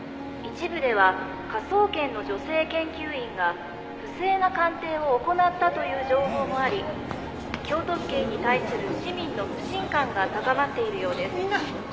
「一部では科捜研の女性研究員が不正な鑑定を行ったという情報もあり京都府警に対する市民の不信感が高まっているようです」